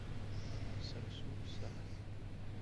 Сара соуп, сара!